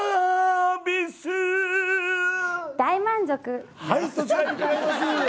大満足。